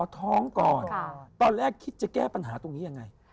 ท้องก่อนตอนแรกคิดจะแก้ปัญหาตรงนี้ยังไง